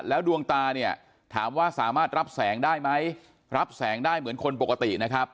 ดวงตาเนี่ยถามว่าสามารถรับแสงได้ไหมรับแสงได้เหมือนคนปกตินะครับ